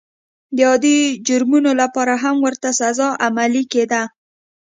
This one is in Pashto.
د عادي جرمونو لپاره هم ورته سزا عملي کېده.